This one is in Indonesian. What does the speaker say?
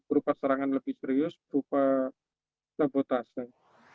berupa serangan lebih serius berupa sabotase